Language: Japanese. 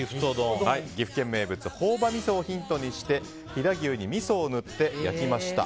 岐阜県名物朴葉みそをヒントにして飛騨牛にみそを塗って焼きました。